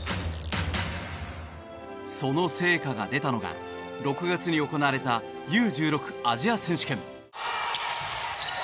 その成果が出たのが６月に行われたＵ１６アジア選手権。